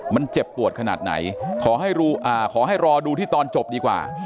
มันเจ็บปวดขนาดไหนขอให้รอดูที่ตอนจบดีกว่า